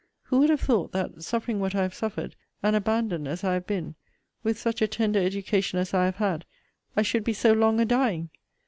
Who would have thought, that, suffering what I have suffered, and abandoned as I have been, with such a tender education as I have had, I should be so long a dying!